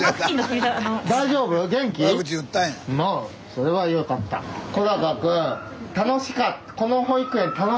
それはよかった。